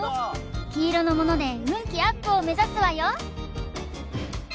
きいろのもので運気アップを目指すわよ